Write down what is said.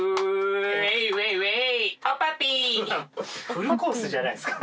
フルコースじゃないですか。